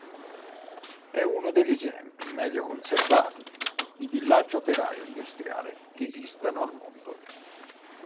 È uno degli esempi meglio conservati di villaggio operaio industriale che esistano al mondo.